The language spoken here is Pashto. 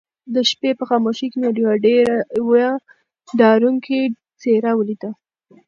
د شپې په خاموشۍ کې مې يوه ډارونکې څېره وليده.